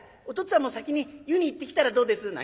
お父っつぁんも先に湯に行ってきたらどうです？」。